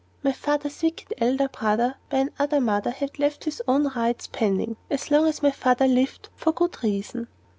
My father's wicked elder brother by another mother had left his own rights pending, as long as my father lived, for good reason.